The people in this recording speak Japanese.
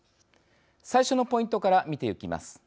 最初のポイントから見てゆきます。